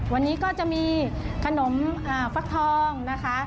วันนี้ก็จะมีขนมฟักทองนะคะ